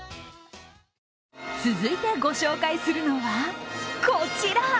続いてご紹介するのは、こちら。